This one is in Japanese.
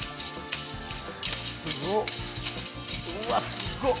すごっ！